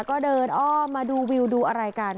ก็เดินอ้อมมาดูวิวดูอะไรกัน